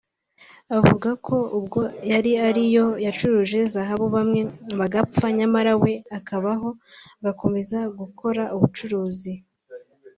Avuga ko ubwo yari ariyo yacuruje zahabu bamwe bagapfa nyamara we akabaho agakomeza gukora ubucuruzi